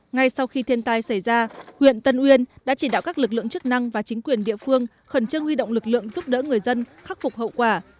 ngay sau khi thiên tai xảy ra huyện tân uyên đã chỉ đạo các lực lượng chức năng và chính quyền địa phương khẩn trương huy động lực lượng giúp đỡ người dân khắc phục hậu quả